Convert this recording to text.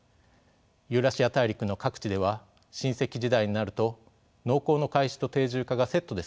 ユーラシア大陸の各地では新石器時代になると農耕の開始と定住化がセットで進みました。